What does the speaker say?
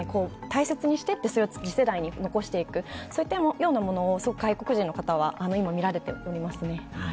大切にして、それを次世代に残していく、そういったようなものを外国人の方は見られていますね。